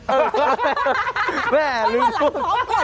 เออแม่นึกว่า